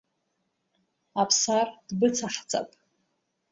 Аԥсар дбыцаҳҵап.